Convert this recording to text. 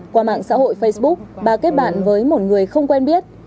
qua mạng xã hội facebook bà kết bạn với một người không quen biết